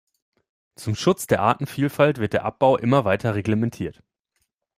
Zum Schutz der Artenvielfalt wird der Abbau immer weiter reglementiert.